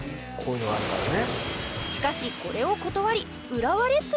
しかしこれを断り浦和レッズに入団。